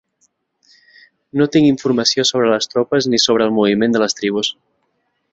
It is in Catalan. No tinc informació sobre les tropes ni sobre el moviment de les tribus.